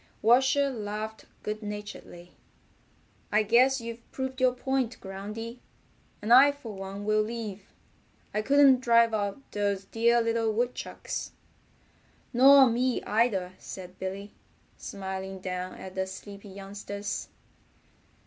Washer laughed good naturedly. "I guess you've proved your point, Groundy, and I for one will leave. I couldn't drive out those dear little woodchucks." "Nor me either," said Billy, smiling down at the sleepy youngsters.